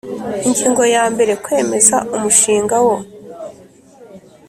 Ingingo ya mbere Kwemeza umushinga wo